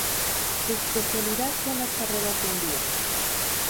Su especialidad son las carreras de un día.